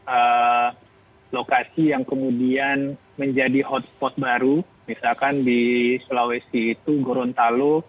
ada lokasi yang kemudian menjadi hotspot baru misalkan di sulawesi itu gorontalo